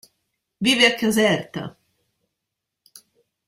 Vive a Caserta.